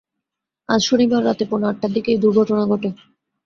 আজ শনিবার রাত পৌনে আটটার দিকে এই দুর্ঘটনা ঘটে।